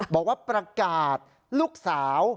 บอกว่าประกาศลูกสาว